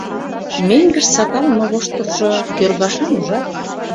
Меҥгыш сакалыме воштыржо кӧргашан, ужат?